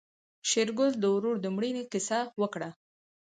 شېرګل د ورور د مړينې کيسه وکړه.